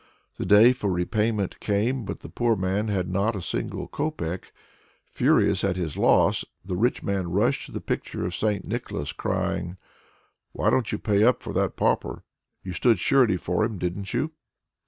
The day for repayment came, but the poor man had not a single copeck. Furious at his loss, the rich man rushed to the picture of St. Nicholas, crying "Why don't you pay up for that pauper? You stood surety for him, didn't you?"